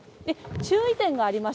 注意点があります。